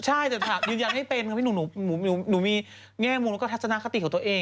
ใช่ค่ะยืนยังไม่เป็นค่ะหนูมีแง่มุลการทัศนคติของตัวเอง